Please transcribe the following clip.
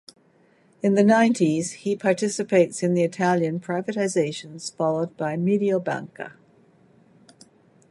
In the nineties, he participates in the Italian privatizations followed by Mediobanca.